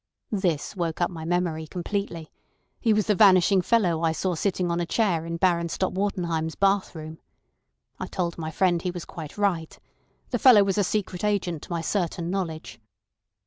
This woke up my memory completely. He was the vanishing fellow I saw sitting on a chair in Baron Stott Wartenheim's bathroom. I told my friend that he was quite right. The fellow was a secret agent to my certain knowledge.